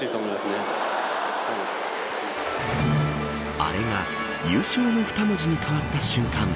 アレが優勝の二文字に変わった瞬間